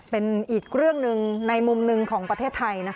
เป็นอีกเรื่องหนึ่งในมุมหนึ่งของประเทศไทย